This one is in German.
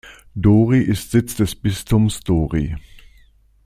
Dori ist Sitz des Bistums Dori.